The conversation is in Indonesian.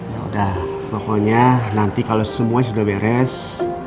yaudah pokoknya nanti kalau semuanya sudah beres